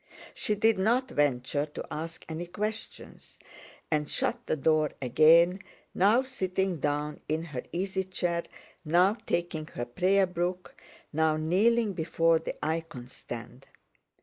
She did not venture to ask any questions, and shut the door again, now sitting down in her easy chair, now taking her prayer book, now kneeling before the icon stand.